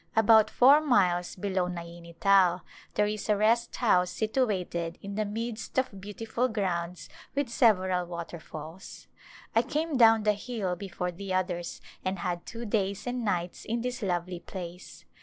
About four miles below Naini Tal there is a rest house situated in the midst of beautiful grounds with several waterfalls. I came down the hill before the others and had two days and nights in this lovely place.